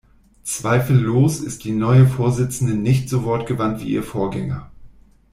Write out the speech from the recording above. Zweifellos ist die neue Vorsitzende nicht so wortgewandt wie ihr Vorgänger.